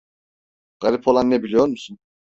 Garip olan ne biliyor musun?